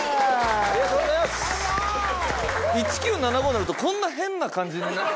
１９７５になるとこんな変な感じになる？